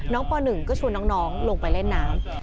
ป๑ก็ชวนน้องลงไปเล่นน้ำ